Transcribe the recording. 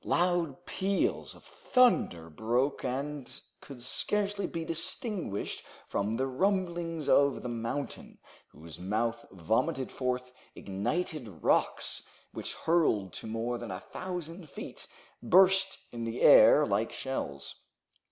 Loud peals of thunder broke, and could scarcely be distinguished from the rumblings of the mountain, whose mouth vomited forth ignited rocks, which, hurled to more than a thousand feet, burst in the air like shells.